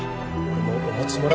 俺も。